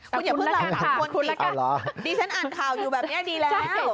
คุณอย่าเพิ่งเรา๓คนคุณละกันดิฉันอ่านข่าวอยู่แบบนี้ดีแล้ว